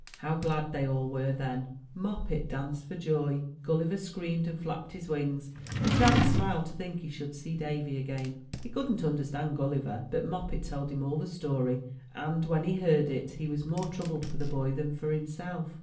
How glad they all were then ! Moppet danced for joy ; Gulliver screamed and flapped his wings ; and Dan smiled, to think he should see Davy again. He couldn't understand Gulliver; but Moppet told him all the story, and, when he heard it, he was more troubled for the boy than for himself.